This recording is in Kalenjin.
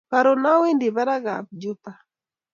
Karun awendi kabarak ak juba